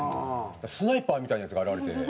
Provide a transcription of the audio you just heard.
スナイパーみたいなヤツが現れて。